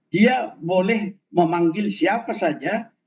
dia boleh memanggil siapa saja